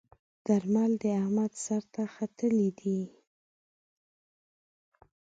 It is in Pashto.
درمل د احمد سر ته ختلي ديی.